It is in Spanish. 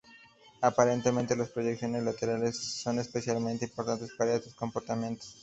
Aparentemente las proyecciones laterales son especialmente importantes para estos comportamientos.